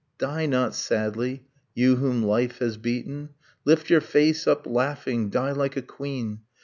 . Die not sadly, you whom life has beaten! Lift your face up, laughing, die like a queen!